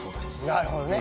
なるほどね。